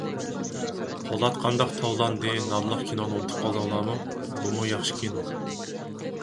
«پولات قانداق تاۋلاندى» ناملىق كىنونى ئۇنتۇپ قالدىڭلارمۇ؟ بۇمۇ ياخشى كىنو.